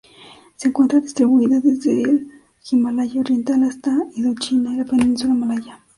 Se encuentra distribuida desde el Himalaya oriental hasta Indochina y la península malaya.